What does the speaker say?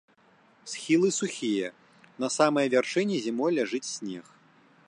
Схілы сухія, на самай вяршыні зімой ляжыць снег.